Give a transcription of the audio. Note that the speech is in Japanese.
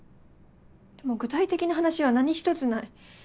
でも具体的な話は何ひとつない。